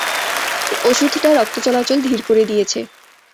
ওষুধটা রক্তচলাচল ধীর করে দিয়েছে।